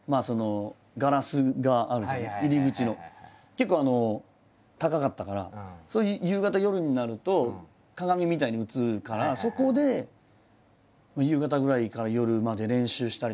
結構高かったからそれ夕方夜になると鏡みたいに映るからそこで夕方ぐらいから夜まで練習したりとか。